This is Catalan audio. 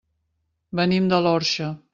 Venim de l'Orxa.